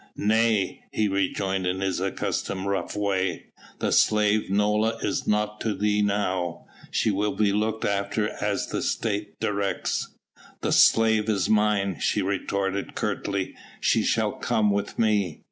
"Nay!" he rejoined in his accustomed rough way, "the slave Nola is naught to thee now. She will be looked after as the State directs." "The slave is mine," she retorted curtly. "She shall come with me."